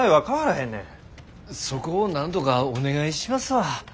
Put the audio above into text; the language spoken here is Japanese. そこをなんとかお願いしますわ。